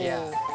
nah jadi bener